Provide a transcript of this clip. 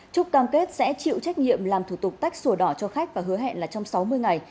trúc cam kết sẽ chịu trách nhiệm làm thủ tục tách sổ đỏ cho khách và hứa hẹn là trong sáu mươi ngày